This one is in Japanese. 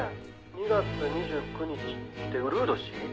「２月２９日ってうるう年？」